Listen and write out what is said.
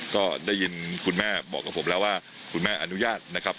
ก็ได้ยินคุณแม่บอกกับผมแล้วว่าคุณแม่อนุญาตนะครับ